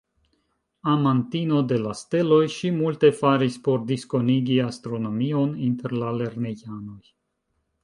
Amantino de la steloj, ŝi multe faris por diskonigi astronomion inter la lernejanoj.